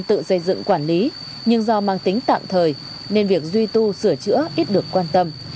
tự xây dựng quản lý nhưng do mang tính tạm thời nên việc duy tu sửa chữa ít được quan tâm